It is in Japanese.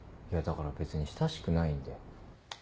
いやだから別に親しくないんで。